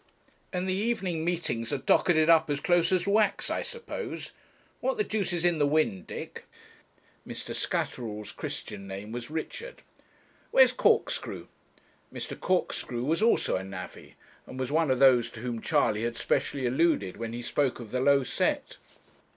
'And the evening meetings are docketed up as close as wax, I suppose. What the deuce is in the wind, Dick?' Mr. Scatterall's Christian name was Richard. 'Where's Corkscrew?' Mr. Corkscrew was also a navvy, and was one of those to whom Charley had specially alluded when he spoke of the low set.